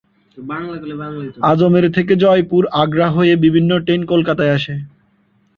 আজমের থেকে জয়পুর, আগ্রা হয়ে বিভিন্ন ট্রেন কলকাতা আসে।